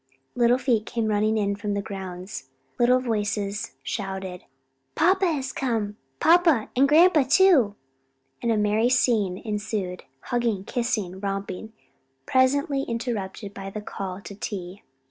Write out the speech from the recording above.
Little feet came running in from the grounds, little voices shouted, "Papa has come! Papa and grandpa too," and a merry scene ensued hugging, kissing, romping presently interrupted by the call to tea.